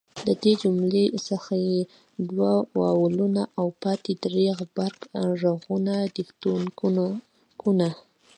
له دې جملې څخه ئې دوه واولونه او پاته درې ئې غبرګ ږغونه دیفتونګونه